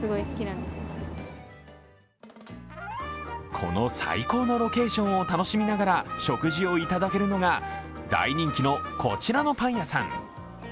この最高のロケーションを楽しみながら食事を頂けるのが大人気の、こちらのパン屋さん。